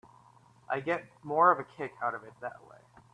I get more of a kick out of it that way.